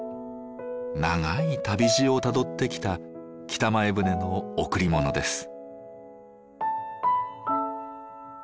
長い旅路をたどってきた北前船の贈りものです。